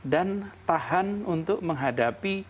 dan tahan untuk menghadapi